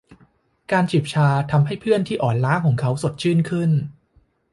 การจิบชาทำให้เพื่อนที่อ่อนล้าของเขาสดชื่นขึ้น